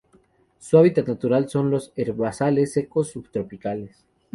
Su hábitat natural son los herbazales secos subtropicales.